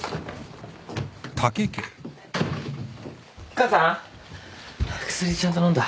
母さん薬ちゃんと飲んだ？